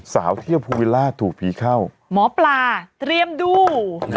สาวเที่ยวภูวิลล่าถูกผีเข้าหมอปลาเตรียมดู